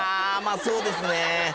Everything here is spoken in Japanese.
まあそうですね。